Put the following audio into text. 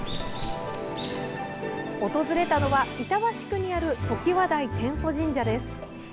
訪れたのは板橋区にあるときわ台天祖神社です。